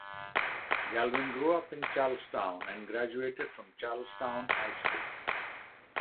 Galvin grew up in Charlestown and graduated from Charlestown High School.